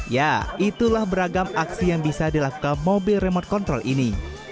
ya itulah beragam aksi yang bisa dilakukan mobil remote control ini